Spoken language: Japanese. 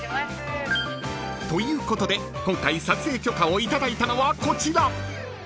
［ということで今回撮影許可を頂いたのはこちら］